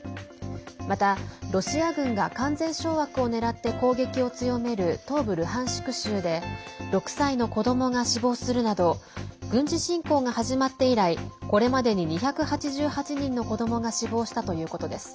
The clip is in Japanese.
また、ロシア軍が完全掌握を狙って攻撃を強める東部ルハンシク州で６歳の子どもが死亡するなど軍事侵攻が始まって以来これまでに２８８人の子どもが死亡したということです。